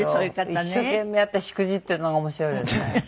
一生懸命やってしくじってるのが面白いですね。